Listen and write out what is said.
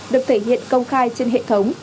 được thể hiện công khai trên hệ thống